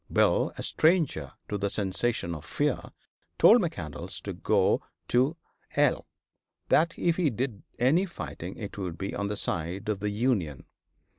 Bill, a stranger to the sensation of fear, told McCandlas to go to h l; that if he did any fighting it would be on the side of the Union.